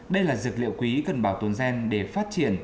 đây là dược liệu quý cần bảo tồn gen để phát triển